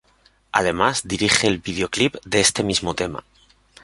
Además, dirige el videoclip de este mismo tema.